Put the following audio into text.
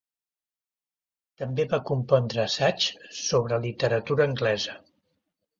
També va compondre assaigs sobre literatura anglesa.